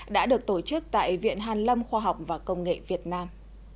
đã được tổ chức tại viện hàn lâm khoa học và công nghệ việt nam